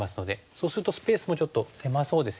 そうするとスペースもちょっと狭そうですよね。